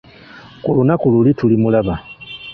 Ku lunaku luli tulimulaba.